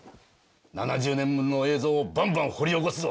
７０年分の映像をバンバン掘り起こすぞ！